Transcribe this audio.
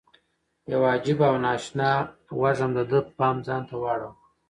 یو عجیب او نا اشنا وږم د ده پام ځان ته واړاوه.